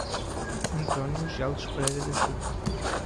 Antônio Geles Pereira da Silva